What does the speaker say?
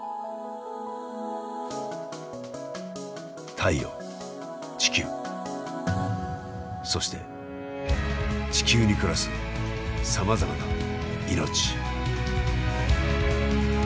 太陽地球そして地球に暮らすさまざまな命。